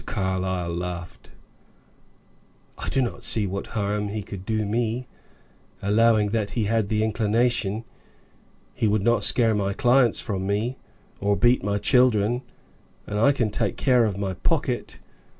Carlyle laughed. "I do not see what harm he could do me, allowing that he had the inclination. He would not scare my clients from me, or beat my children, and I can take care of my pocket.